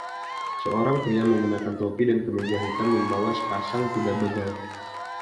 Seorang pria mengenakan topi dan kemeja hitam membawa sepasang kuda bagal.